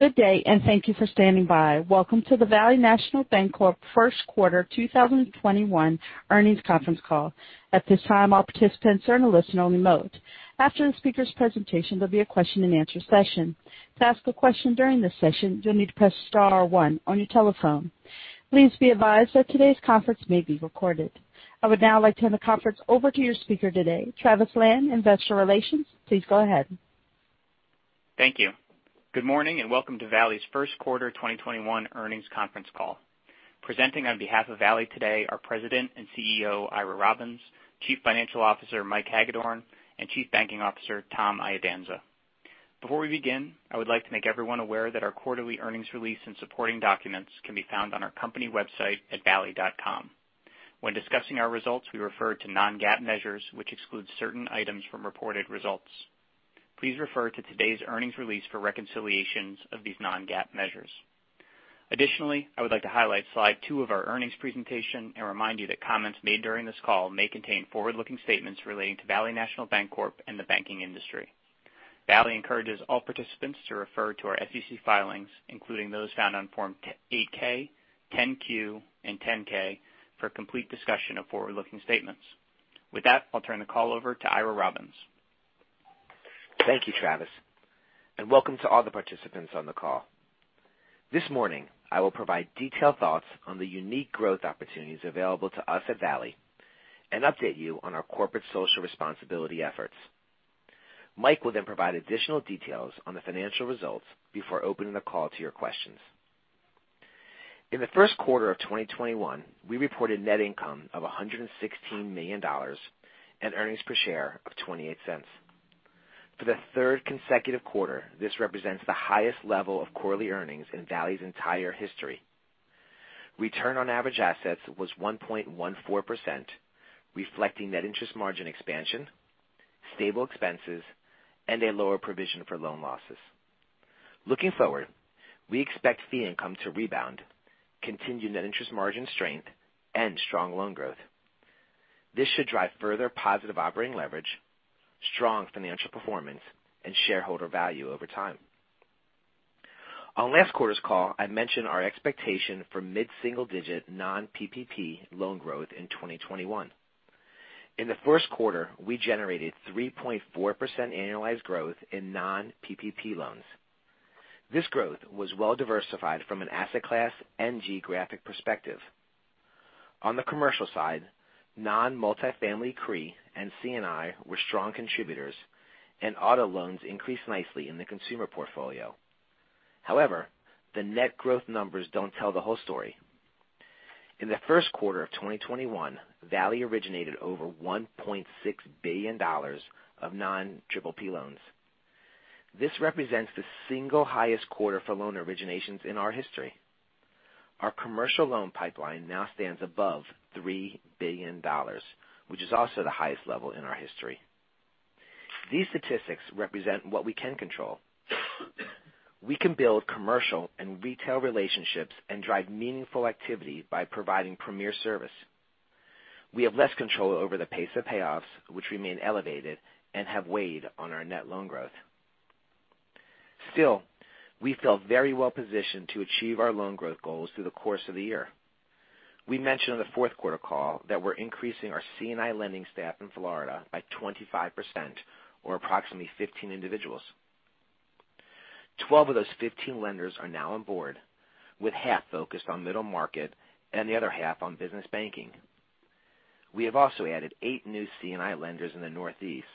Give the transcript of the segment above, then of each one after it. Good day, and thank you for standing by. Welcome to the Valley National Bancorp first quarter 2021 earnings conference call. At this time, all participants are in a listen-only mode. After the speaker's presentation, there'll be a question and answer session. To ask a question during this session, you'll need to press star one on your telephone. Please be advised that today's conference may be recorded. I would now like to turn the conference over to your speaker today, Travis Lan, Investor Relations. Please go ahead. Thank you. Good morning and welcome to Valley's first quarter 2021 earnings conference call. Presenting on behalf of Valley today are President and CEO, Ira Robbins, Chief Financial Officer, Mike Hagedorn, and Chief Banking Officer, Tom Iadanza. Before we begin, I would like to make everyone aware that our quarterly earnings release and supporting documents can be found on our company website at valley.com. When discussing our results, we refer to non-GAAP measures which exclude certain items from reported results. Please refer to today's earnings release for reconciliations of these non-GAAP measures. I would like to highlight slide two of our earnings presentation and remind you that comments made during this call may contain forward-looking statements relating to Valley National Bancorp and the banking industry. Valley encourages all participants to refer to our SEC filings, including those found on Form 8-K, 10-Q, and 10-K for a complete discussion of forward-looking statements. With that, I'll turn the call over to Ira Robbins. Thank you, Travis, and welcome to all the participants on the call. This morning, I will provide detailed thoughts on the unique growth opportunities available to us at Valley and update you on our corporate social responsibility efforts. Mike will then provide additional details on the financial results before opening the call to your questions. In the first quarter of 2021, we reported net income of $116 million and earnings per share of $0.28. For the third consecutive quarter, this represents the highest level of quarterly earnings in Valley's entire history. Return on average assets was 1.14%, reflecting net interest margin expansion, stable expenses, and a lower provision for loan losses. Looking forward, we expect fee income to rebound, continued net interest margin strength, and strong loan growth. This should drive further positive operating leverage, strong financial performance, and shareholder value over time. On last quarter's call, I mentioned our expectation for mid-single-digit non-PPP loan growth in 2021. In the first quarter, we generated 3.4% annualized growth in non-PPP loans. This growth was well diversified from an asset class and geographic perspective. On the commercial side, non-multifamily CRE and C&I were strong contributors, and auto loans increased nicely in the consumer portfolio. However, the net growth numbers don't tell the whole story. In the first quarter of 2021, Valley originated over $1.6 billion of non-PPP loans. This represents the single highest quarter for loan originations in our history. Our commercial loan pipeline now stands above $3 billion, which is also the highest level in our history. These statistics represent what we can control. We can build commercial and retail relationships and drive meaningful activity by providing premier service. We have less control over the pace of payoffs, which remain elevated and have weighed on our net loan growth. Still, we feel very well positioned to achieve our loan growth goals through the course of the year. We mentioned on the fourth quarter call that we're increasing our C&I lending staff in Florida by 25%, or approximately 15 individuals. 12 of those 15 lenders are now on board, with half focused on middle market and the other half on business banking. We have also added eight new C&I lenders in the Northeast,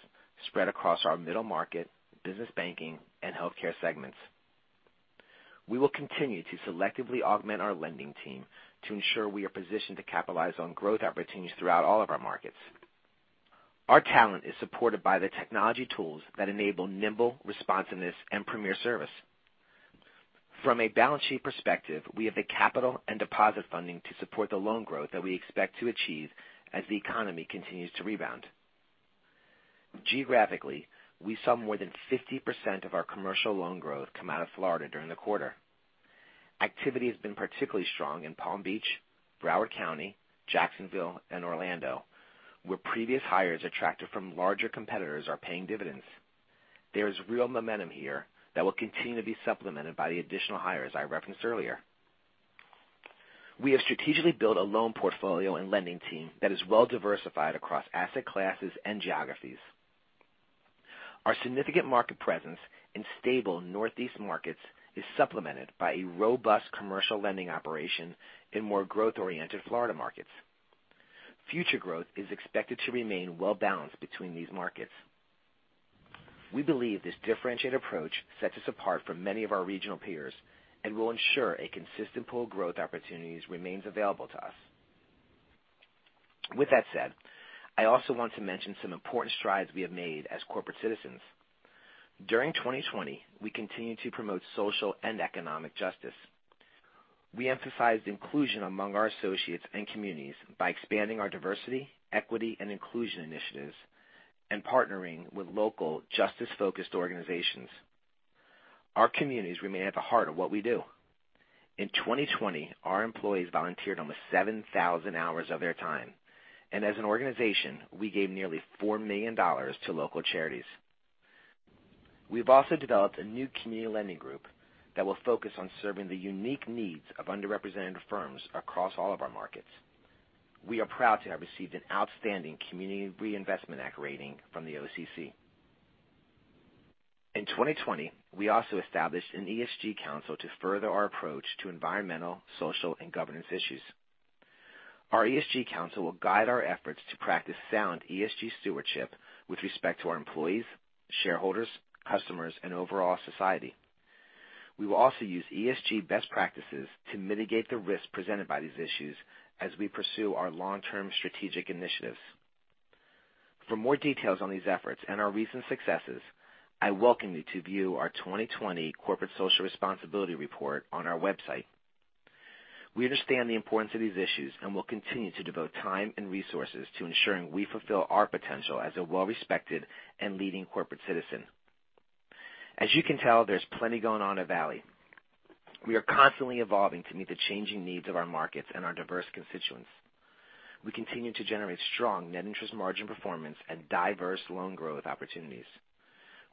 spread across our middle market, business banking, and healthcare segments. We will continue to selectively augment our lending team to ensure we are positioned to capitalize on growth opportunities throughout all of our markets. Our talent is supported by the technology tools that enable nimble responsiveness and premier service. From a balance sheet perspective, we have the capital and deposit funding to support the loan growth that we expect to achieve as the economy continues to rebound. Geographically, we saw more than 50% of our commercial loan growth come out of Florida during the quarter. Activity has been particularly strong in Palm Beach, Broward County, Jacksonville, and Orlando, where previous hires attracted from larger competitors are paying dividends. There is real momentum here that will continue to be supplemented by the additional hires I referenced earlier. We have strategically built a loan portfolio and lending team that is well diversified across asset classes and geographies. Our significant market presence in stable Northeast markets is supplemented by a robust commercial lending operation in more growth-oriented Florida markets. Future growth is expected to remain well-balanced between these markets. We believe this differentiated approach sets us apart from many of our regional peers and will ensure a consistent pool of growth opportunities remains available to us. With that said, I also want to mention some important strides we have made as corporate citizens. During 2020, we continued to promote social and economic justice. We emphasized inclusion among our associates and communities by expanding our diversity, equity, and inclusion initiatives and partnering with local justice-focused organizations. Our communities remain at the heart of what we do. In 2020, our employees volunteered almost 7,000 hours of their time, and as an organization, we gave nearly $4 million to local charities. We've also developed a new community lending group that will focus on serving the unique needs of underrepresented firms across all of our markets. We are proud to have received an outstanding Community Reinvestment Act rating from the OCC. In 2020, we also established an ESG council to further our approach to environmental, social, and governance issues. Our ESG council will guide our efforts to practice sound ESG stewardship with respect to our employees, shareholders, customers, and overall society. We will also use ESG best practices to mitigate the risks presented by these issues as we pursue our long-term strategic initiatives. For more details on these efforts and our recent successes, I welcome you to view our 2020 corporate social responsibility report on our website. We understand the importance of these issues and will continue to devote time and resources to ensuring we fulfill our potential as a well-respected and leading corporate citizen. As you can tell, there's plenty going on at Valley. We are constantly evolving to meet the changing needs of our markets and our diverse constituents. We continue to generate strong net interest margin performance and diverse loan growth opportunities.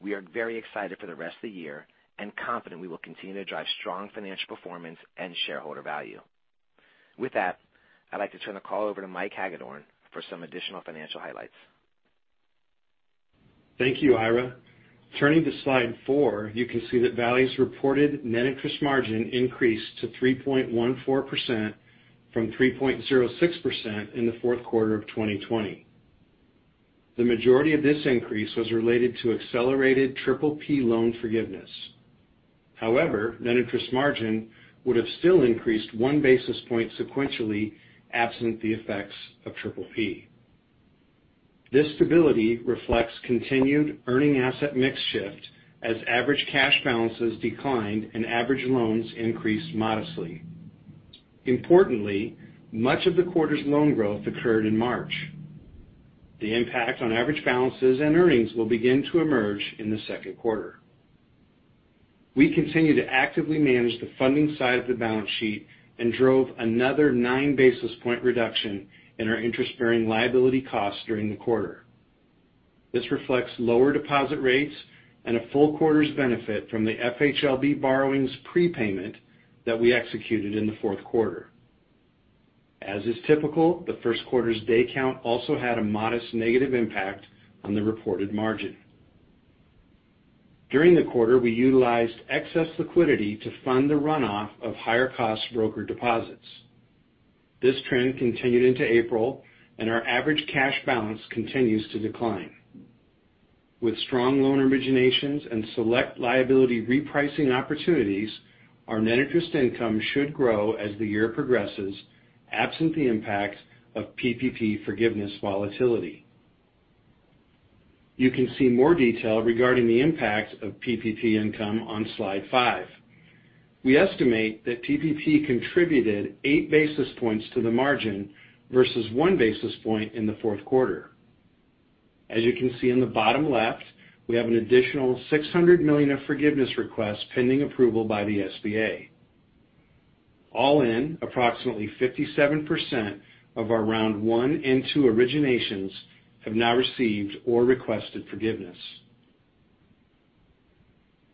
We are very excited for the rest of the year and confident we will continue to drive strong financial performance and shareholder value. With that, I'd like to turn the call over to Mike Hagedorn for some additional financial highlights. Thank you, Ira. Turning to slide four, you can see that Valley's reported net interest margin increased to 3.14% from 3.06% in the fourth quarter of 2020. The majority of this increase was related to accelerated PPP loan forgiveness. Net interest margin would have still increased 1 basis point sequentially absent the effects of PPP. This stability reflects continued earning asset mix shift as average cash balances declined and average loans increased modestly. Importantly, much of the quarter's loan growth occurred in March. The impact on average balances and earnings will begin to emerge in the second quarter. We continue to actively manage the funding side of the balance sheet and drove another 9 basis point reduction in our interest-bearing liability cost during the quarter. This reflects lower deposit rates and a full quarter's benefit from the FHLB borrowings prepayment that we executed in the fourth quarter. As is typical, the first quarter's day count also had a modest negative impact on the reported margin. During the quarter, we utilized excess liquidity to fund the runoff of higher-cost broker deposits. This trend continued into April, and our average cash balance continues to decline. With strong loan originations and select liability repricing opportunities, our net interest income should grow as the year progresses, absent the impact of PPP forgiveness volatility. You can see more detail regarding the impact of PPP income on slide five. We estimate that PPP contributed 8 basis points to the margin versus 1 basis point in the fourth quarter. As you can see in the bottom left, we have an additional $600 million of forgiveness requests pending approval by the SBA. All in, approximately 57% of our round one and two originations have now received or requested forgiveness.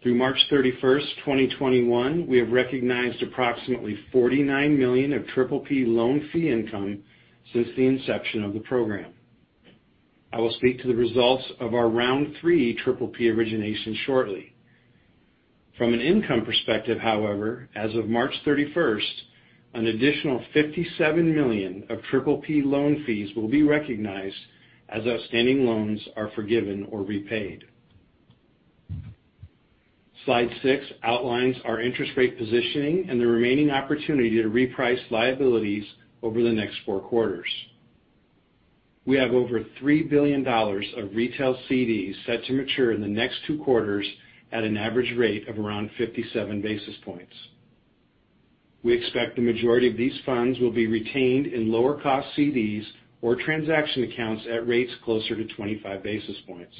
Through March 31st, 2021, we have recognized approximately $49 million of PPP loan fee income since the inception of the program. I will speak to the results of our round three PPP origination shortly. From an income perspective, however, as of March 31st, an additional $57 million of PPP loan fees will be recognized as outstanding loans are forgiven or repaid. Slide six outlines our interest rate positioning and the remaining opportunity to reprice liabilities over the next four quarters. We have over $3 billion of retail CDs set to mature in the next two quarters at an average rate of around 57 basis points. We expect the majority of these funds will be retained in lower-cost CDs or transaction accounts at rates closer to 25 basis points.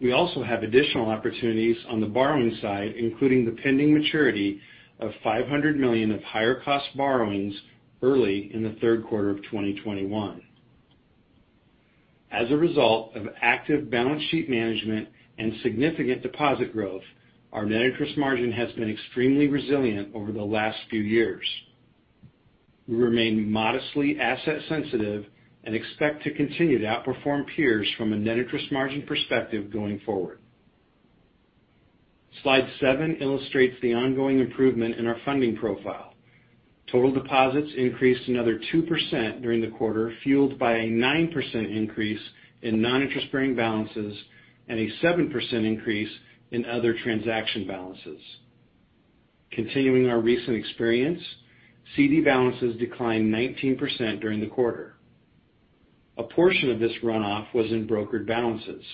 We also have additional opportunities on the borrowing side, including the pending maturity of $500 million of higher-cost borrowings early in the third quarter of 2021. As a result of active balance sheet management and significant deposit growth, our net interest margin has been extremely resilient over the last few years. We remain modestly asset sensitive and expect to continue to outperform peers from a net interest margin perspective going forward. Slide seven illustrates the ongoing improvement in our funding profile. Total deposits increased another 2% during the quarter, fueled by a 9% increase in non-interest-bearing balances and a 7% increase in other transaction balances. Continuing our recent experience, CD balances declined 19% during the quarter. A portion of this runoff was in brokered balances.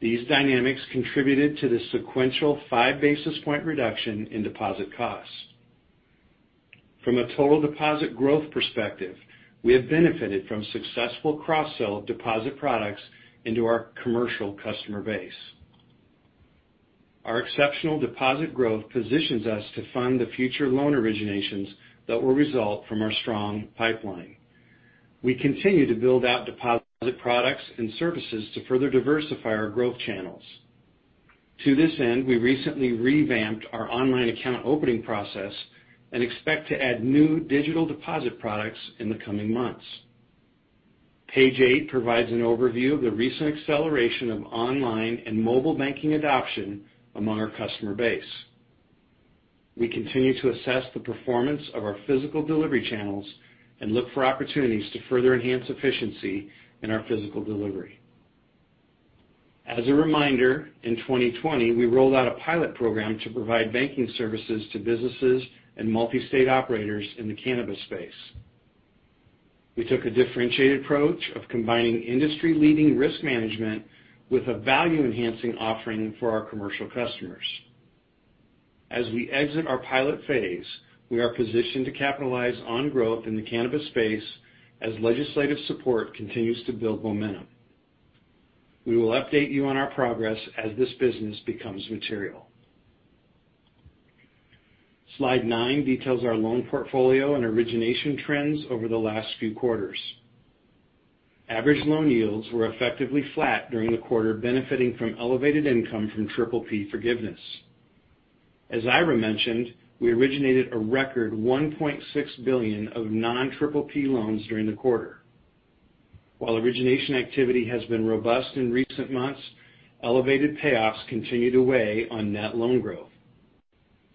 These dynamics contributed to the sequential 5 basis point reduction in deposit cost. From a total deposit growth perspective, we have benefited from successful cross-sell of deposit products into our commercial customer base. Our exceptional deposit growth positions us to fund the future loan originations that will result from our strong pipeline. We continue to build out deposit products and services to further diversify our growth channels. To this end, we recently revamped our online account opening process and expect to add new digital deposit products in the coming months. Page eight provides an overview of the recent acceleration of online and mobile banking adoption among our customer base. We continue to assess the performance of our physical delivery channels and look for opportunities to further enhance efficiency in our physical delivery. As a reminder, in 2020, we rolled out a pilot program to provide banking services to businesses and multi-state operators in the cannabis space. We took a differentiated approach of combining industry-leading risk management with a value-enhancing offering for our commercial customers. As we exit our pilot phase, we are positioned to capitalize on growth in the cannabis space as legislative support continues to build momentum. We will update you on our progress as this business becomes material. Slide nine details our loan portfolio and origination trends over the last few quarters. Average loan yields were effectively flat during the quarter, benefiting from elevated income from PPP forgiveness. As Ira mentioned, we originated a record $1.6 billion of non-PPP loans during the quarter. While origination activity has been robust in recent months, elevated payoffs continued to weigh on net loan growth.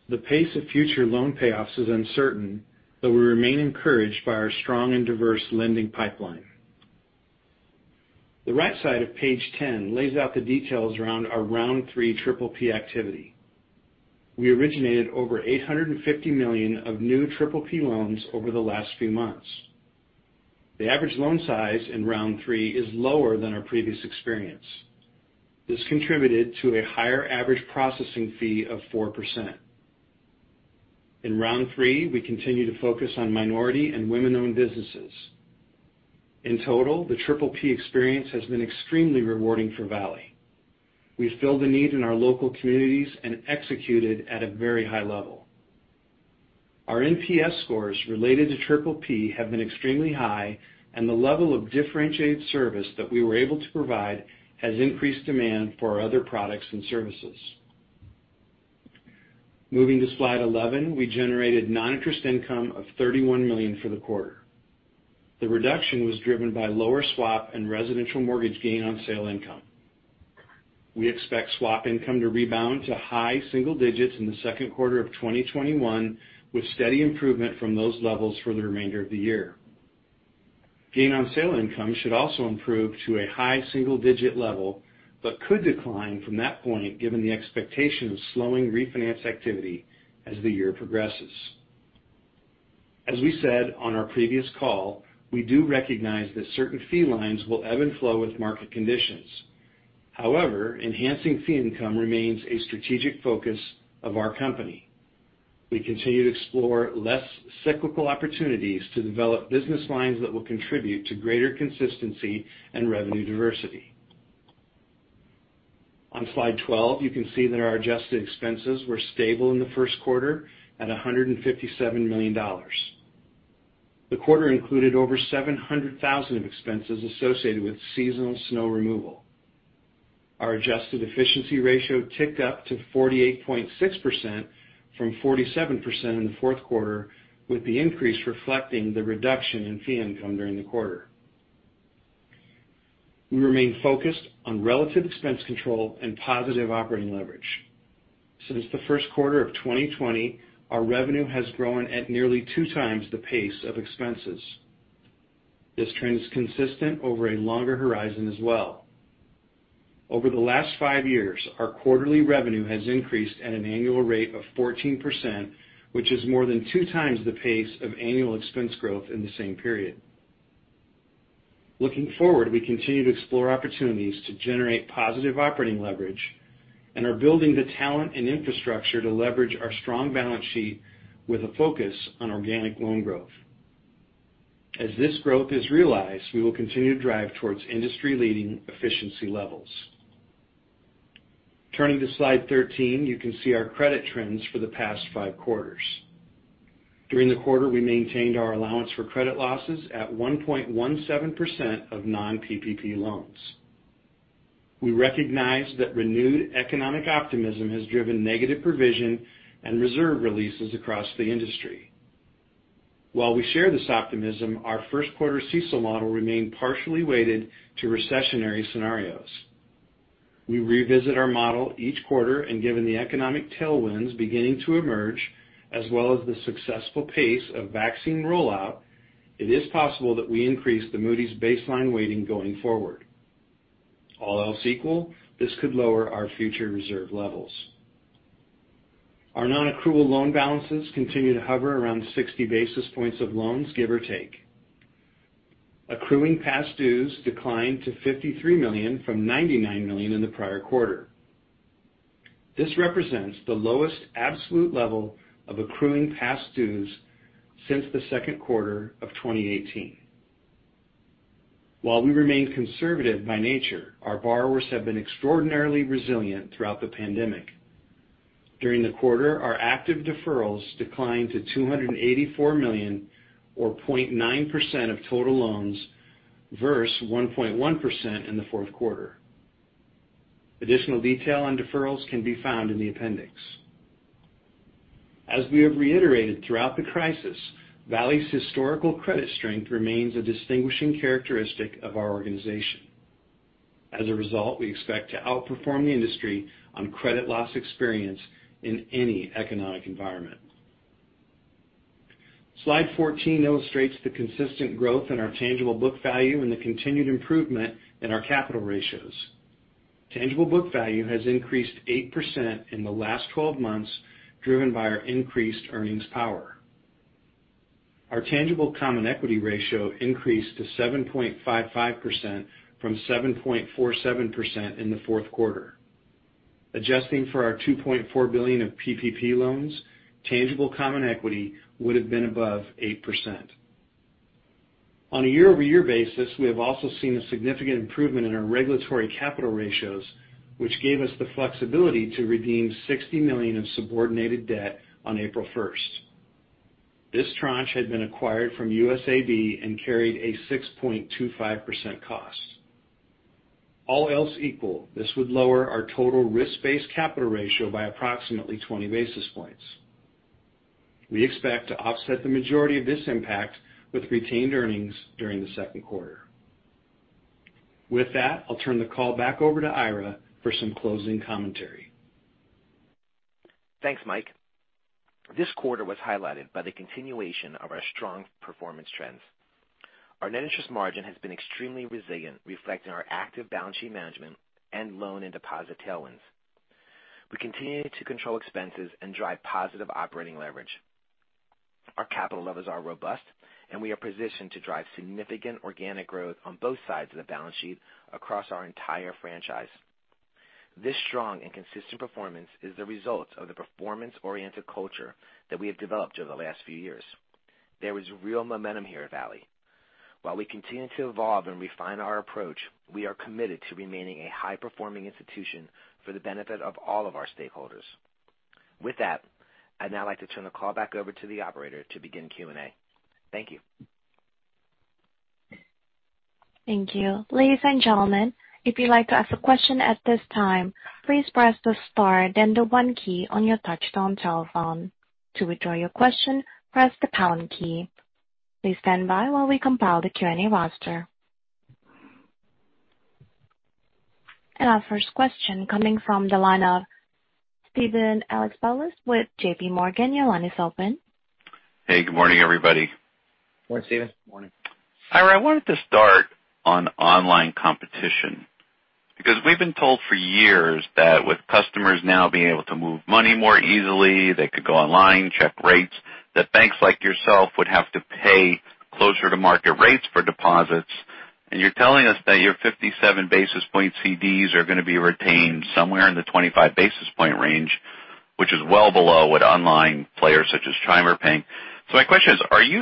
The pace of future loan payoffs is uncertain, though we remain encouraged by our strong and diverse lending pipeline. The right side of page 10 lays out the details around our round three PPP activity. We originated over $850 million of new PPP loans over the last few months. The average loan size in round three is lower than our previous experience. This contributed to a higher average processing fee of 4%. In round three, we continue to focus on minority and women-owned businesses. In total, the PPP experience has been extremely rewarding for Valley. We filled a need in our local communities and executed at a very high level. Our NPS scores related to PPP have been extremely high, and the level of differentiated service that we were able to provide has increased demand for our other products and services. Moving to slide 11, we generated non-interest income of $31 million for the quarter. The reduction was driven by lower swap and residential mortgage gain on sale income. We expect swap income to rebound to high single digits in the second quarter of 2021, with steady improvement from those levels for the remainder of the year. Gain on sale income should also improve to a high single-digit level, but could decline from that point given the expectation of slowing refinance activity as the year progresses. As we said on our previous call, we do recognize that certain fee lines will ebb and flow with market conditions. However, enhancing fee income remains a strategic focus of our company. We continue to explore less cyclical opportunities to develop business lines that will contribute to greater consistency and revenue diversity. On slide 12, you can see that our adjusted expenses were stable in the first quarter at $157 million. The quarter included over $700,000 of expenses associated with seasonal snow removal. Our adjusted efficiency ratio ticked up to 48.6% from 47% in the fourth quarter, with the increase reflecting the reduction in fee income during the quarter. We remain focused on relative expense control and positive operating leverage. Since the first quarter of 2020, our revenue has grown at nearly 2x the pace of expenses. This trend is consistent over a longer horizon as well. Over the last five years, our quarterly revenue has increased at an annual rate of 14%, which is more than 2x the pace of annual expense growth in the same period. Looking forward, we continue to explore opportunities to generate positive operating leverage and are building the talent and infrastructure to leverage our strong balance sheet with a focus on organic loan growth. As this growth is realized, we will continue to drive towards industry-leading efficiency levels. Turning to slide 13, you can see our credit trends for the past five quarters. During the quarter, we maintained our allowance for credit losses at 1.17% of non-PPP loans. We recognize that renewed economic optimism has driven negative provision and reserve releases across the industry. While we share this optimism, our first quarter CECL model remained partially weighted to recessionary scenarios. We revisit our model each quarter. Given the economic tailwinds beginning to emerge, as well as the successful pace of vaccine rollout, it is possible that we increase the Moody's baseline weighting going forward. All else equal, this could lower our future reserve levels. Our non-accrual loan balances continue to hover around 60 basis points of loans, give or take. Accruing past dues declined to $53 million from $99 million in the prior quarter. This represents the lowest absolute level of accruing past dues since the second quarter of 2018. While we remain conservative by nature, our borrowers have been extraordinarily resilient throughout the pandemic. During the quarter, our active deferrals declined to $284 million, or 0.9% of total loans, versus 1.1% in the fourth quarter. Additional detail on deferrals can be found in the appendix. As we have reiterated throughout the crisis, Valley's historical credit strength remains a distinguishing characteristic of our organization. As a result, we expect to outperform the industry on credit loss experience in any economic environment. Slide 14 illustrates the consistent growth in our tangible book value and the continued improvement in our capital ratios. Tangible book value has increased 8% in the last 12 months, driven by our increased earnings power. Our tangible common equity ratio increased to 7.55% from 7.47% in the fourth quarter. Adjusting for our $2.4 billion of PPP loans, tangible common equity would have been above 8%. On a year-over-year basis, we have also seen a significant improvement in our regulatory capital ratios, which gave us the flexibility to redeem $60 million of subordinated debt on April 1st. This tranche had been acquired from USAB and carried a 6.25% cost. All else equal, this would lower our total risk-based capital ratio by approximately 20 basis points. We expect to offset the majority of this impact with retained earnings during the second quarter. With that, I'll turn the call back over to Ira for some closing commentary. Thanks, Mike. This quarter was highlighted by the continuation of our strong performance trends. Our net interest margin has been extremely resilient, reflecting our active balance sheet management and loan and deposit tailwinds. We continue to control expenses and drive positive operating leverage. Our capital levels are robust, and we are positioned to drive significant organic growth on both sides of the balance sheet across our entire franchise. This strong and consistent performance is the result of the performance-oriented culture that we have developed over the last few years. There is real momentum here at Valley. While we continue to evolve and refine our approach, we are committed to remaining a high-performing institution for the benefit of all of our stakeholders. With that, I'd now like to turn the call back over to the operator to begin Q&A. Thank you. Thank you. Ladies and gentlemen, if you'd like to ask a question at this time, please press the star then the one key on your touchtone telephone. To withdraw your question, press the pound key. Please stand by while we compile the Q&A roster. Our first question coming from the line of Steven Alexopoulos with JPMorgan. Your line is open. Hey, good morning, everybody. Morning, Steven. Morning. Ira, I wanted to start on online competition because we've been told for years that with customers now being able to move money more easily, they could go online, check rates, that banks like yourself would have to pay closer to market rates for deposits. You're telling us that your 57 basis point CDs are going to be retained somewhere in the 25 basis point range, which is well below what online players such as Chime are paying. My question is,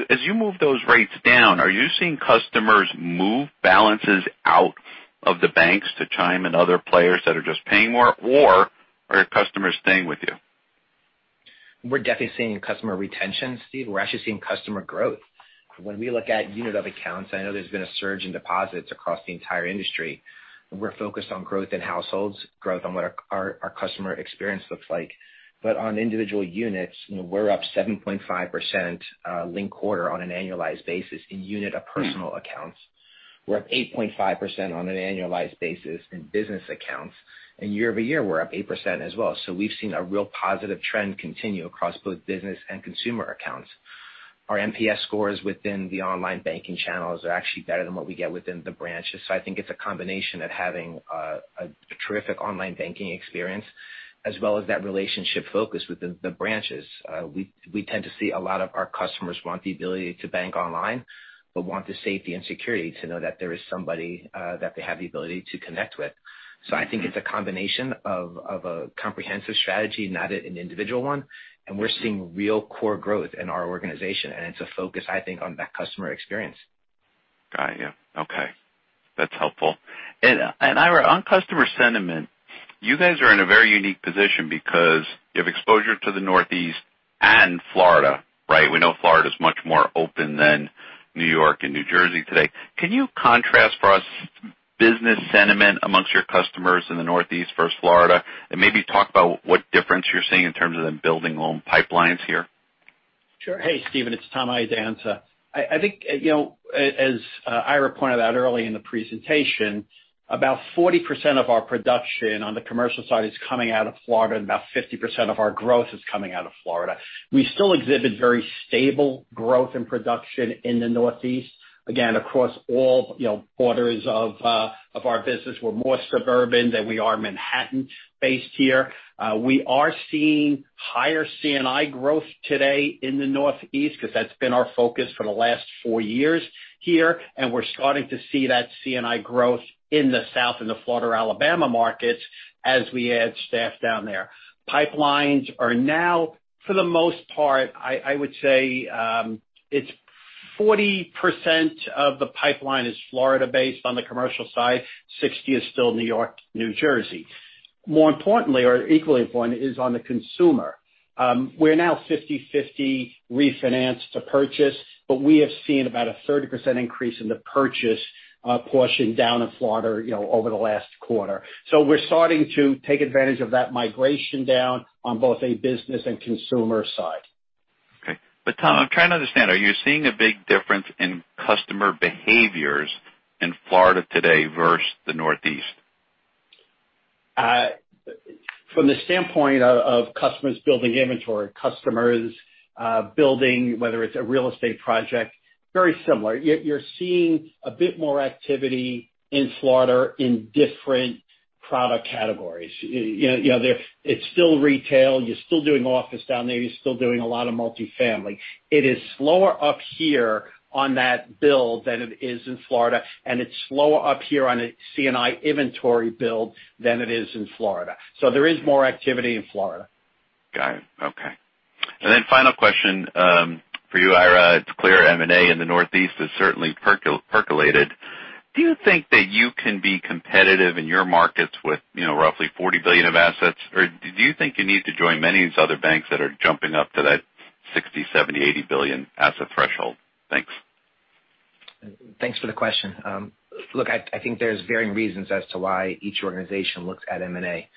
as you move those rates down, are you seeing customers move balances out of the banks to Chime and other players that are just paying more, or are customers staying with you? We're definitely seeing customer retention, Steve. We're actually seeing customer growth. When we look at unit of accounts, I know there's been a surge in deposits across the entire industry. We're focused on growth in households, growth on what our customer experience looks like. On individual units, we're up 7.5% linked quarter on an annualized basis in unit of personal accounts. We're up 8.5% on an annualized basis in business accounts, and year-over-year, we're up 8% as well. We've seen a real positive trend continue across both business and consumer accounts. Our NPS scores within the online banking channels are actually better than what we get within the branches. I think it's a combination of having a terrific online banking experience as well as that relationship focus within the branches. We tend to see a lot of our customers want the ability to bank online but want the safety and security to know that there is somebody that they have the ability to connect with. I think it's a combination of a comprehensive strategy, not an individual one, and we're seeing real core growth in our organization, and it's a focus, I think, on that customer experience. Got you. Okay. That's helpful. Ira, on customer sentiment, you guys are in a very unique position because you have exposure to the Northeast and Florida, right? We know Florida's much more open than New York and New Jersey today. Can you contrast for us business sentiment amongst your customers in the Northeast versus Florida, and maybe talk about what difference you're seeing in terms of the building loan pipelines here? Sure. Hey, Steven, it's Tom Iadanza. I think as Ira pointed out early in the presentation, about 40% of our production on the commercial side is coming out of Florida, and about 50% of our growth is coming out of Florida. We still exhibit very stable growth and production in the Northeast. Again, across all quarters of our business, we're more suburban than we are Manhattan-based here. We are seeing higher C&I growth today in the Northeast because that's been our focus for the last four years here, and we're starting to see that C&I growth in the South and the Florida, Alabama markets as we add staff down there. Pipelines are now, for the most part, I would say it's 40% of the pipeline is Florida-based on the commercial side, 60% is still New York, New Jersey. More importantly or equally important is on the consumer. We're now 50/50 refinance to purchase, we have seen about a 30% increase in the purchase portion down in Florida over the last quarter. We're starting to take advantage of that migration down on both a business and consumer side. Okay. Tom, I'm trying to understand, are you seeing a big difference in customer behaviors in Florida today versus the Northeast? From the standpoint of customers building inventory, customers building, whether it's a real estate project, very similar. You're seeing a bit more activity in Florida in different product categories. It's still retail. You're still doing office down there. You're still doing a lot of multi-family. It is slower up here on that build than it is in Florida, and it's slower up here on a C&I inventory build than it is in Florida. There is more activity in Florida. Got it. Okay. Final question for you, Ira. It's clear M&A in the Northeast has certainly percolated. Do you think that you can be competitive in your markets with roughly $40 billion of assets, or do you think you need to join many of these other banks that are jumping up to that $60 billion, $70 billion, $80 billion asset threshold? Thanks. Thanks for the question. Look, I think there's varying reasons as to why each organization looks at M&A.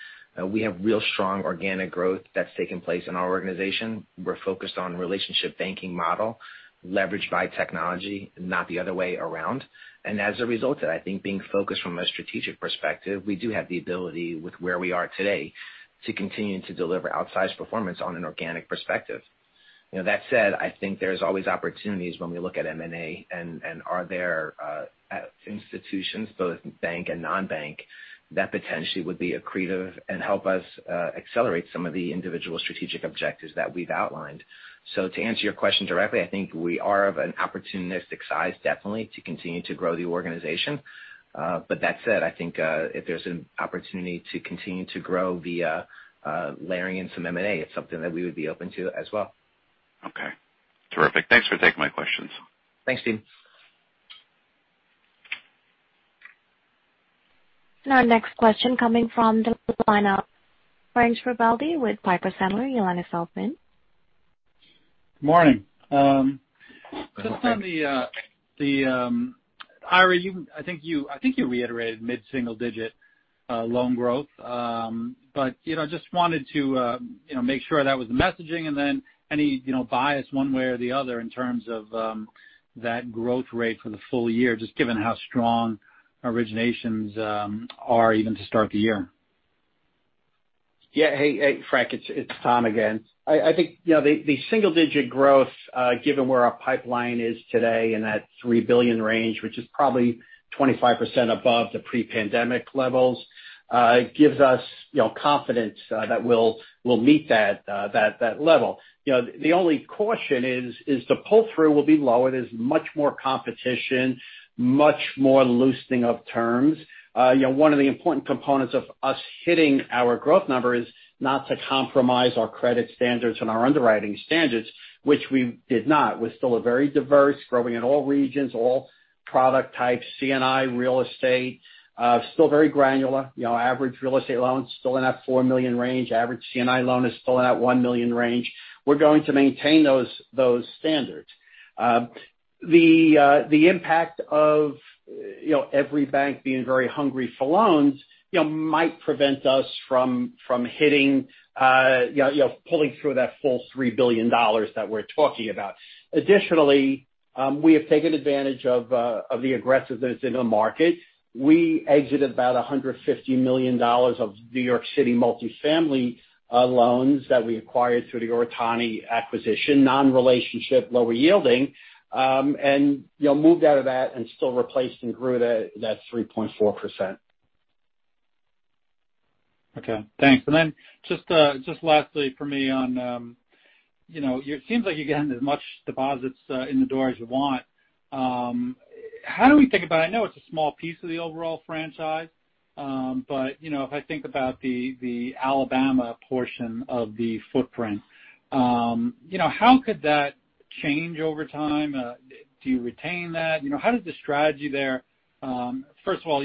We have real strong organic growth that's taken place in our organization. We're focused on relationship banking model leveraged by technology, not the other way around. As a result of that, I think being focused from a strategic perspective, we do have the ability with where we are today to continue to deliver outsized performance on an organic perspective. That said, I think there's always opportunities when we look at M&A and are there institutions, both bank and non-bank, that potentially would be accretive and help us accelerate some of the individual strategic objectives that we've outlined. To answer your question directly, I think we are of an opportunistic size definitely to continue to grow the organization. That said, I think if there's an opportunity to continue to grow via layering in some M&A, it's something that we would be open to as well. Okay. Terrific. Thanks for taking my questions. Thanks, Steven. Our next question coming from the line of Frank Schiraldi with Piper Sandler. Your line is open. Morning. Good morning. Just on, Ira, I think you reiterated mid-single digit loan growth. Just wanted to make sure that was the messaging and then any bias one way or the other in terms of that growth rate for the full year, just given how strong originations are even to start the year. Hey, Frank, it's Tom again. I think the single-digit growth, given where our pipeline is today in that $3 billion range, which is probably 25% above the pre-pandemic levels gives us confidence that we'll meet that level. The only caution is the pull-through will be low. There's much more competition, much more loosening of terms. One of the important components of us hitting our growth number is not to compromise our credit standards and our underwriting standards, which we did not. We're still very diverse, growing in all regions, all product types, C&I, real estate. Still very granular. Average real estate loan's still in that $4 million range. Average C&I loan is still in that $1 million range. We're going to maintain those standards. The impact of every bank being very hungry for loans might prevent us from pulling through that full $3 billion that we're talking about. Additionally, we have taken advantage of the aggressiveness in the market. We exited about $150 million of New York City multifamily loans that we acquired through the Oritani acquisition, non-relationship, lower yielding and moved out of that and still replaced and grew that 3.4%. Okay, thanks. Just lastly for me on, it seems like you're getting as much deposits in the door as you want. How do we think about it? I know it's a small piece of the overall franchise. If I think about the Alabama portion of the footprint, how could that change over time? Do you retain that? First of all,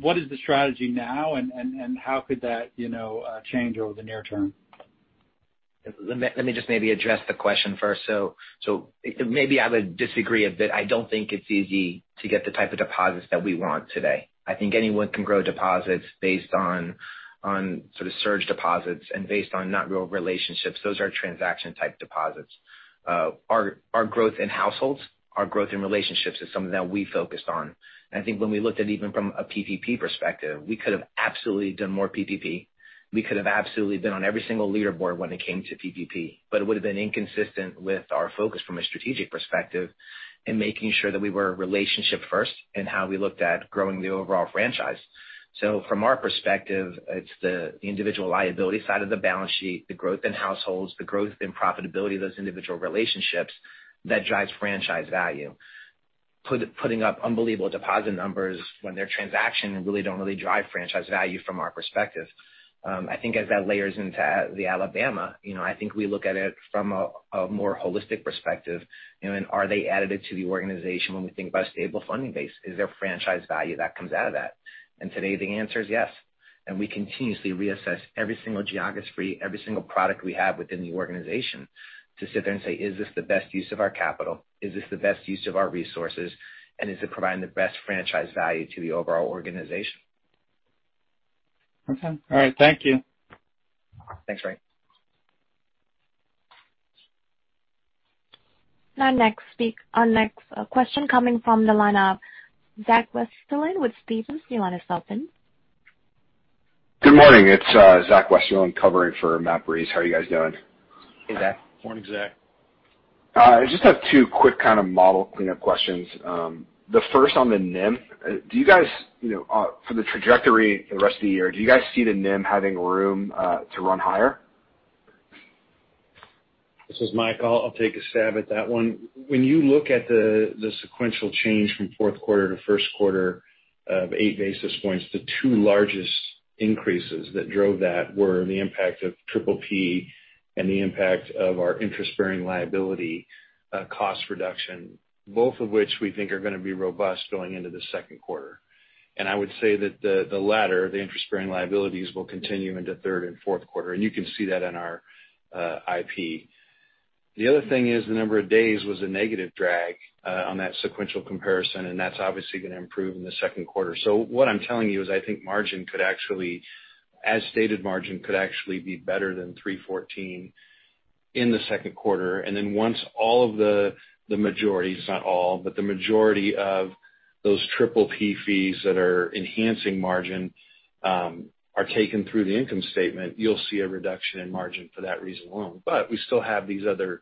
what is the strategy now and how could that change over the near term? Let me just maybe address the question first. Maybe I would disagree a bit. I don't think it's easy to get the type of deposits that we want today. I think anyone can grow deposits based on sort of surge deposits and based on not real relationships. Those are transaction-type deposits. Our growth in households, our growth in relationships is something that we focused on. I think when we looked at even from a PPP perspective, we could have absolutely done more PPP. We could have absolutely been on every single leaderboard when it came to PPP, but it would've been inconsistent with our focus from a strategic perspective and making sure that we were relationship first in how we looked at growing the overall franchise. From our perspective, it's the individual liability side of the balance sheet, the growth in households, the growth and profitability of those individual relationships that drives franchise value, putting up unbelievable deposit numbers when their transaction don't really drive franchise value from our perspective. As that layers into the Alabama, we look at it from a more holistic perspective. Are they additive to the organization when we think about a stable funding base? Is there franchise value that comes out of that? Today the answer is yes. We continuously reassess every single geography, every single product we have within the organization to sit there and say, "Is this the best use of our capital? Is this the best use of our resources, and is it providing the best franchise value to the overall organization? Okay. All right. Thank you. Thanks, Frank. Our next question coming from the line of Zach Westerlind with Stephens. Your line is open. Good morning. It's Zach Westerlind covering for Matt Breese. How are you guys doing? Hey, Zach. Morning, Zach. I just have two quick kind of model cleanup questions. The first on the NIM. For the trajectory the rest of the year, do you guys see the NIM having room to run higher? This is Mike. I'll take a stab at that one. When you look at the sequential change from fourth quarter to first quarter of 8 basis points, the two largest increases that drove that were the impact of PPP and the impact of our interest-bearing liability cost reduction. Both of which we think are going to be robust going into the second quarter. I would say that the latter, the interest-bearing liabilities, will continue into third and fourth quarter, and you can see that in our IP. The other thing is the number of days was a negative drag on that sequential comparison, and that's obviously going to improve in the second quarter. What I'm telling you is I think margin could actually, as stated, margin could actually be better than 314 in the second quarter. Once all of the majority, it's not all, but the majority of those PPP fees that are enhancing margin are taken through the income statement, you'll see a reduction in margin for that reason alone. We still have these other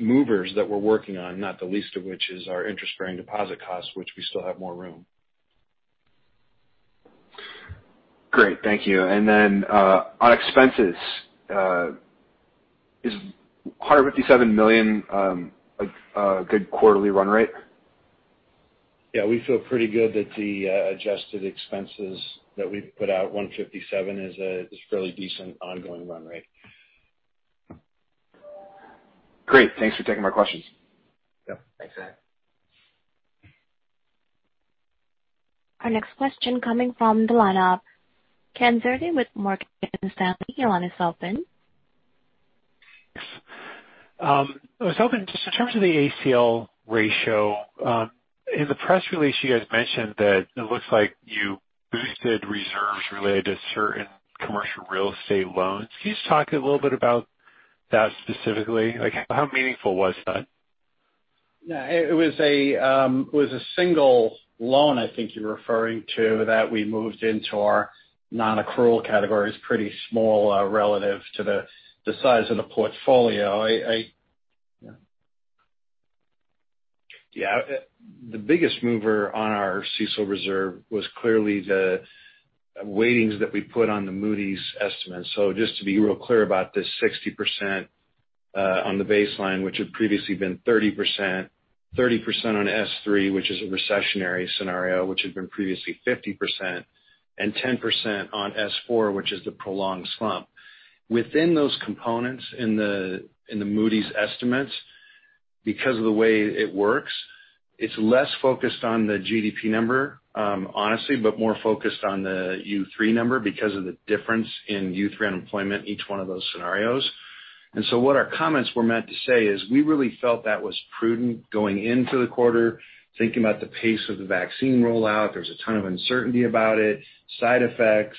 movers that we're working on, not the least of which is our interest-bearing deposit costs, which we still have more room. Great. Thank you. Then on expenses, is $157 million a good quarterly run rate? Yeah, we feel pretty good that the adjusted expenses that we've put out, $157 million is a fairly decent ongoing run rate. Great. Thanks for taking my questions. Yep. Thanks, Zach. Our next question coming from the line of Ken Zerbe with Morgan Stanley. Your line is open. Thanks. I was hoping just in terms of the ACL ratio, in the press release, you guys mentioned that it looks like you boosted reserves related to certain commercial real estate loans. Can you just talk a little bit about that specifically? Like, how meaningful was that? It was a single loan, I think you're referring to, that we moved into our non-accrual category. It's pretty small relative to the size of the portfolio. The biggest mover on our CECL reserve was clearly the weightings that we put on the Moody's estimate. Just to be real clear about this 60% on the baseline, which had previously been 30%. 30% on S3, which is a recessionary scenario, which had been previously 50%. 10% on S4, which is the prolonged slump. Within those components in the Moody's estimates, because of the way it works, it's less focused on the GDP number, honestly, but more focused on the U3 number because of the difference in U3 unemployment, each one of those scenarios. What our comments were meant to say is we really felt that was prudent going into the quarter, thinking about the pace of the vaccine rollout. There's a ton of uncertainty about it, side effects.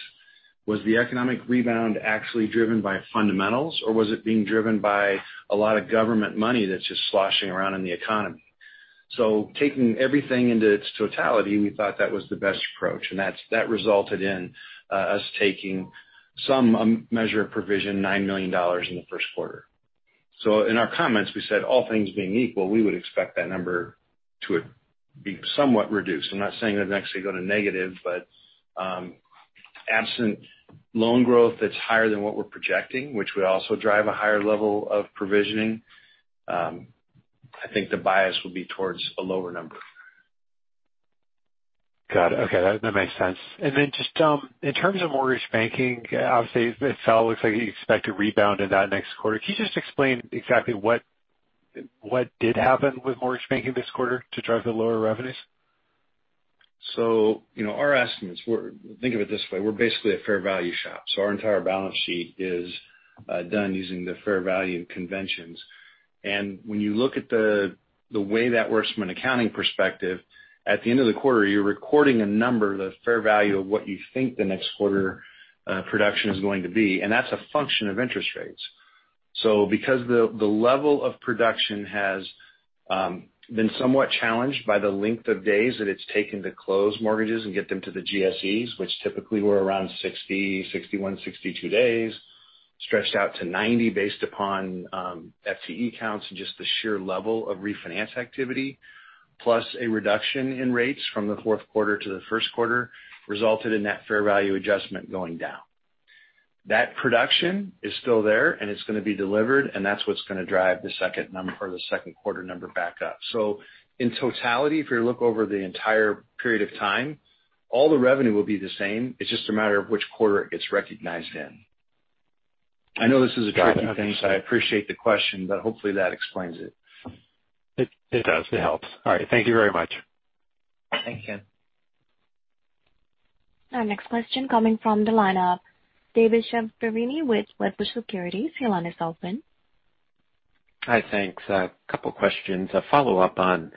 Was the economic rebound actually driven by fundamentals or was it being driven by a lot of government money that's just sloshing around in the economy? Taking everything into its totality, we thought that was the best approach. That resulted in us taking some measure of provision, $9 million in the first quarter. In our comments, we said all things being equal, we would expect that number to be somewhat reduced. I'm not saying they'll actually go to negative, but absent loan growth that's higher than what we're projecting, which would also drive a higher level of provisioning, I think the bias would be towards a lower number. Got it. Okay. That makes sense. Just in terms of mortgage banking, obviously it looks like you expect a rebound in that next quarter. Can you just explain exactly what did happen with mortgage banking this quarter to drive the lower revenues? Our estimates, think of it this way, we're basically a fair value shop, so our entire balance sheet is done using the fair value conventions. When you look at the way that works from an accounting perspective, at the end of the quarter, you're recording a number, the fair value of what you think the next quarter production is going to be, and that's a function of interest rates. Because the level of production has been somewhat challenged by the length of days that it's taken to close mortgages and get them to the GSEs, which typically were around 60, 61, 62 days, stretched out to 90 based upon FTE counts and just the sheer level of refinance activity, plus a reduction in rates from the fourth quarter to the first quarter resulted in that fair value adjustment going down. That production is still there, and it's going to be delivered, and that's what's going to drive the second quarter number back up. In totality, if you look over the entire period of time, all the revenue will be the same. It's just a matter of which quarter it gets recognized in. I know this is a tricky thing, so I appreciate the question, but hopefully, that explains it. It does. It helps. All right, thank you very much. Thank you. Our next question coming from the line of David Chiaverini with Wedbush Securities. Your line is open. Hi. Thanks. A couple of questions. A follow-up on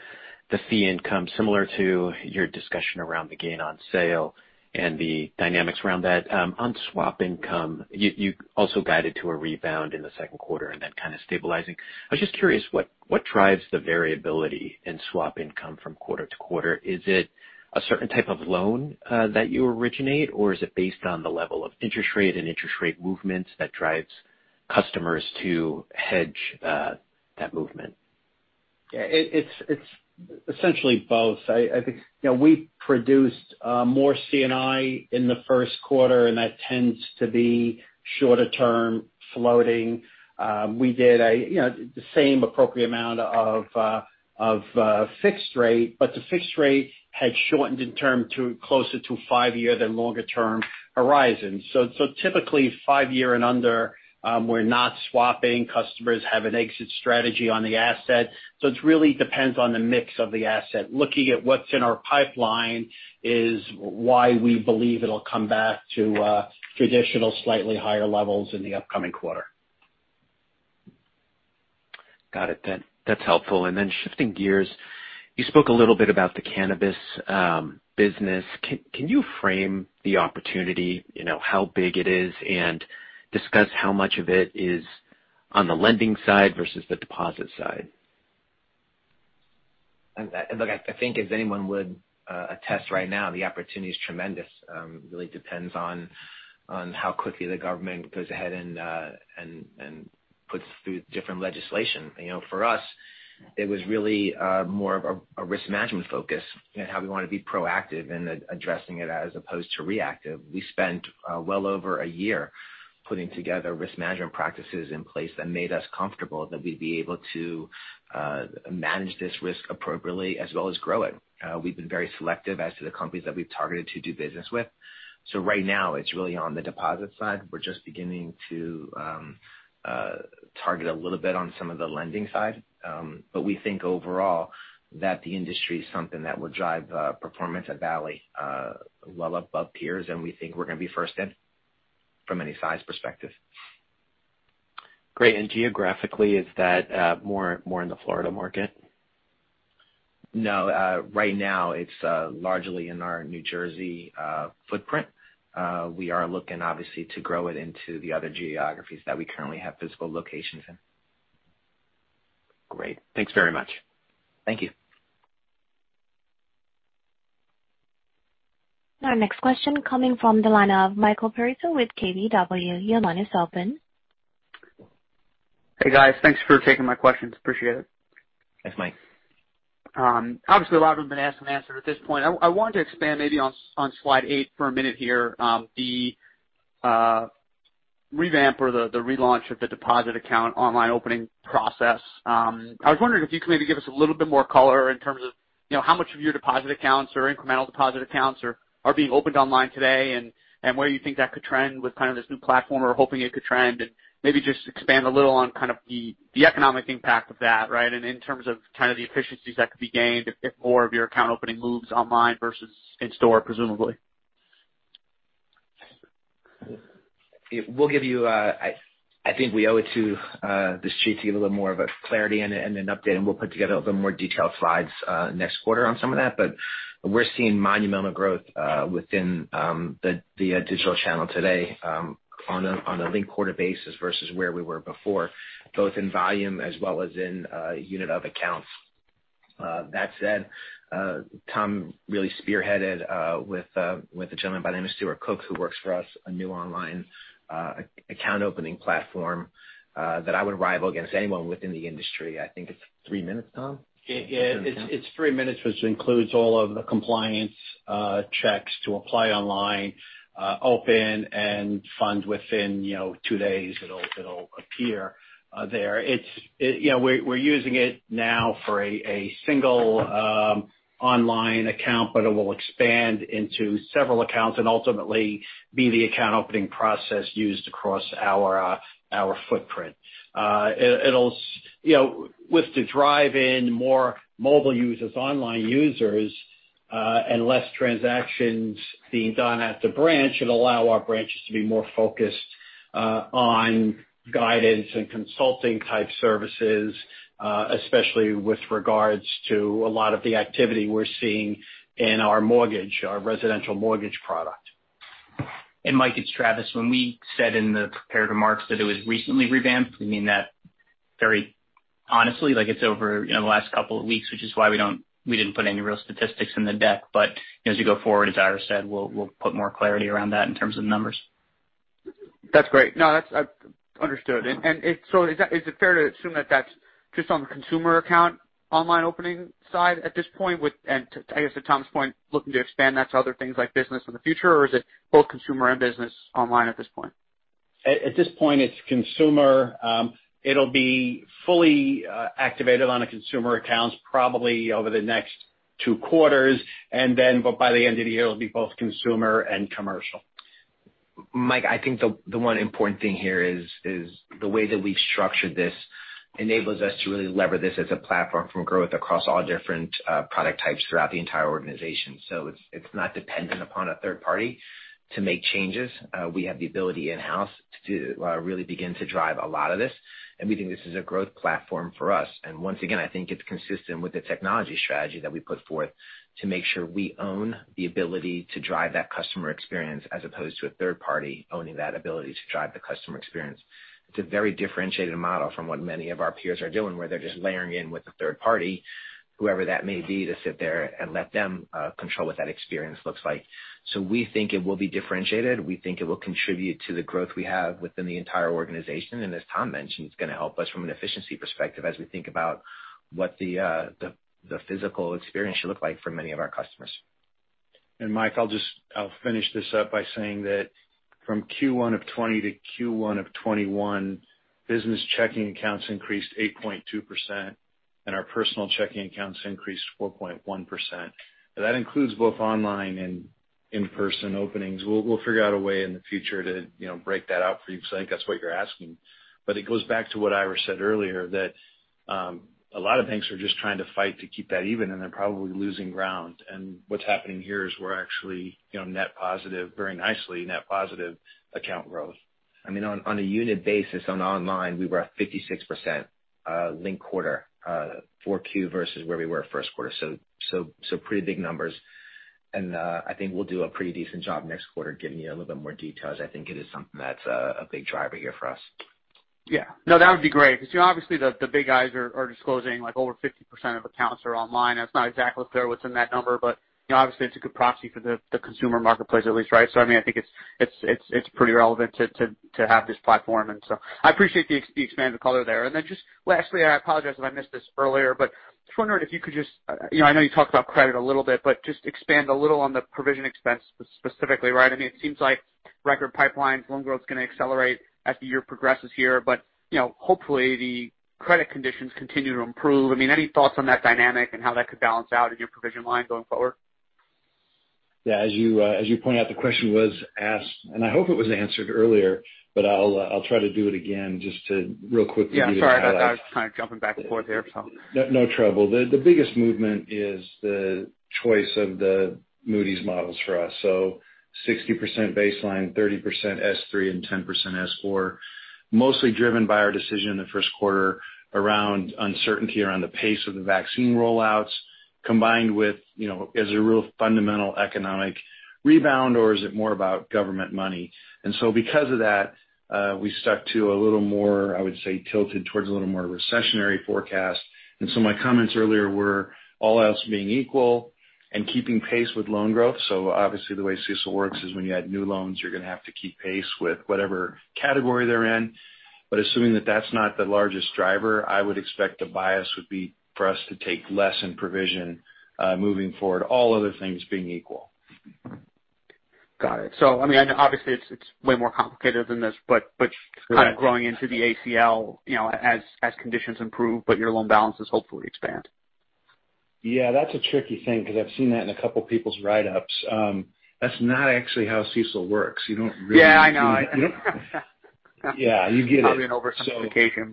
the fee income, similar to your discussion around the gain on sale and the dynamics around that. On swap income, you also guided to a rebound in the second quarter and then kind of stabilizing. I was just curious, what drives the variability in swap income from quarter to quarter? Is it a certain type of loan that you originate, or is it based on the level of interest rate and interest rate movements that drives customers to hedge that movement? It's essentially both. I think we produced more C&I in the first quarter, and that tends to be shorter term floating. We did the same appropriate amount of fixed rate, but the fixed rate had shortened in term to closer to five-year than longer-term horizons. Typically, five year and under, we're not swapping. Customers have an exit strategy on the asset. It really depends on the mix of the asset. Looking at what's in our pipeline is why we believe it'll come back to traditional, slightly higher levels in the upcoming quarter. Got it then. That's helpful. Shifting gears, you spoke a little bit about the cannabis business. Can you frame the opportunity, how big it is, and discuss how much of it is on the lending side versus the deposit side? I think as anyone would attest right now, the opportunity is tremendous. It really depends on how quickly the government goes ahead and puts through different legislation. For us, it was really more of a risk management focus and how we want to be proactive in addressing it as opposed to reactive. We spent well over a year putting together risk management practices in place that made us comfortable that we'd be able to manage this risk appropriately as well as grow it. We've been very selective as to the companies that we've targeted to do business with. Right now, it's really on the deposit side. We're just beginning to target a little bit on some of the lending side. We think overall that the industry is something that will drive performance at Valley well above peers, and we think we're going to be first in from any size perspective. Great. Geographically, is that more in the Florida market? No. Right now, it's largely in our New Jersey footprint. We are looking, obviously, to grow it into the other geographies that we currently have physical locations in. Great. Thanks very much. Thank you. Our next question coming from the line of Michael Perito with KBW. Your line is open. Hey, guys. Thanks for taking my questions. Appreciate it. Thanks, Mike. Obviously, a lot of them have been asked and answered at this point. I wanted to expand maybe on slide eight for a minute here. The revamp or the relaunch of the deposit account online opening process. I was wondering if you could maybe give us a little bit more color in terms of how much of your deposit accounts or incremental deposit accounts are being opened online today, and where you think that could trend with this new platform or hoping it could trend, and maybe just expand a little on kind of the economic impact of that, right? In terms of the efficiencies that could be gained if more of your account opening moves online versus in store, presumably. I think we owe it to the street to give a little more of a clarity and an update, and we'll put together a little more detailed slides next quarter on some of that. We're seeing monumental growth within the digital channel today on a linked quarter basis versus where we were before, both in volume as well as in unit of accounts. That said, Tom really spearheaded with a gentleman by the name of Stuart Cook, who works for us, a new online account opening platform that I would rival against anyone within the industry. I think it's three minutes, Tom? Yeah. It's three minutes, which includes all of the compliance checks to apply online, open, and fund within two days it'll appear there. We're using it now for a single online account, but it will expand into several accounts and ultimately be the account opening process used across our footprint. With the drive in more mobile users, online users, and less transactions being done at the branch, it'll allow our branches to be more focused on guidance and consulting type services, especially with regards to a lot of the activity we're seeing in our mortgage, our residential mortgage product. Mike, it's Travis. When we said in the prepared remarks that it was recently revamped, we mean that very honestly. Like it's over the last couple of weeks, which is why we didn't put any real statistics in the deck. As you go forward, as Ira said, we'll put more clarity around that in terms of numbers. That's great. No, that's understood. Is it fair to assume that that's just on the consumer account online opening side at this point with, and to, I guess, to Tom's point, looking to expand that to other things like business in the future, or is it both consumer and business online at this point? At this point, it's consumer. It'll be fully activated on a consumer accounts probably over the next two quarters, and then by the end of the year, it'll be both consumer and commercial. Mike, I think the one important thing here is the way that we've structured this enables us to really lever this as a platform from growth across all different product types throughout the entire organization. It's not dependent upon a third party to make changes. We have the ability in-house to really begin to drive a lot of this, and we think this is a growth platform for us. Once again, I think it's consistent with the technology strategy that we put forth to make sure we own the ability to drive that customer experience as opposed to a third party owning that ability to drive the customer experience. It's a very differentiated model from what many of our peers are doing, where they're just layering in with a third party, whoever that may be, to sit there and let them control what that experience looks like. We think it will be differentiated. We think it will contribute to the growth we have within the entire organization. As Tom mentioned, it's going to help us from an efficiency perspective as we think about what the physical experience should look like for many of our customers. Mike, I'll finish this up by saying that from Q1 of 2020 to Q1 of 2021, business checking accounts increased 8.2%, and our personal checking accounts increased 4.1%. That includes both online and in-person openings. We'll figure out a way in the future to break that out for you because I think that's what you're asking. It goes back to what Ira said earlier, that a lot of banks are just trying to fight to keep that even, and they're probably losing ground. What's happening here is we're actually very nicely net positive account growth. I mean, on a unit basis on online, we were at 56% linked quarter 4Q versus where we were first quarter. Pretty big numbers. I think we'll do a pretty decent job next quarter giving you a little bit more details. I think it is something that's a big driver here for us. Yeah. No, that would be great because obviously the big guys are disclosing like over 50% of accounts are online. That's not exactly clear what's in that number, but obviously it's a good proxy for the consumer marketplace at least, right? I mean, I think it's pretty relevant to have this platform, I appreciate the expanded color there. Just lastly, I apologize if I missed this earlier, but just wondering if you could I know you talked about credit a little bit, just expand a little on the provision expense specifically, right? I mean, it seems like record pipelines, loan growth's going to accelerate as the year progresses here. Hopefully the credit conditions continue to improve. I mean, any thoughts on that dynamic and how that could balance out in your provision line going forward? Yeah. As you pointed out, the question was asked, and I hope it was answered earlier, but I'll try to do it again just to real quickly give you a highlight. Yeah, sorry. I was just kind of jumping back and forth here, so. No trouble. The biggest movement is the choice of the Moody's models for us. 60% baseline, 30% S3, and 10% S4, mostly driven by our decision in the first quarter around uncertainty around the pace of the vaccine rollouts, combined with, is a real fundamental economic rebound or is it more about government money? Because of that, we stuck to a little more, I would say, tilted towards a little more recessionary forecast. My comments earlier were all else being equal and keeping pace with loan growth. Obviously the way CECL works is when you add new loans, you're going to have to keep pace with whatever category they're in. Assuming that that's not the largest driver, I would expect the bias would be for us to take less in provision moving forward, all other things being equal. Got it. I mean, obviously it's way more complicated than this, but kind of growing into the ACL as conditions improve, but your loan balances hopefully expand. Yeah, that's a tricky thing because I've seen that in a couple people's write-ups. That's not actually how CECL works. You don't really do it. Yeah, I know. Yeah, you get it. Probably an oversimplification,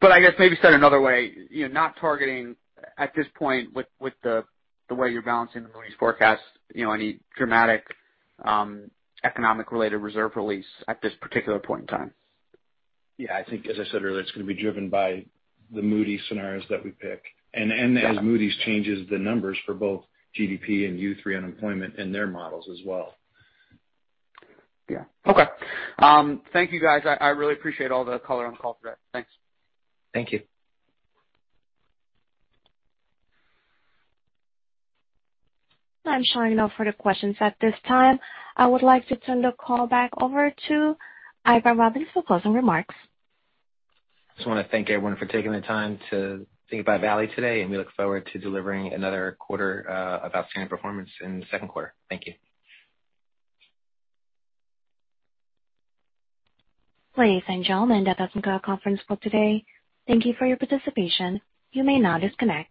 but I guess maybe said another way, you're not targeting at this point with the way you're balancing the Moody's forecast, any dramatic economic-related reserve release at this particular point in time. Yeah. I think, as I said earlier, it's going to be driven by the Moody's scenarios that we pick and as Moody's changes the numbers for both GDP and U3 unemployment in their models as well. Yeah. Okay. Thank you guys. I really appreciate all the color on the call today. Thanks. Thank you. I'm showing no further questions at this time. I would like to turn the call back over to Ira Robbins for closing remarks. Just want to thank everyone for taking the time to think about Valley today, and we look forward to delivering another quarter of outstanding performance in the second quarter. Thank you. Ladies and gentlemen, that does conclude our conference call today. Thank you for your participation. You may now disconnect.